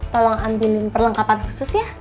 tolong ambilin perlengkapan khusus ya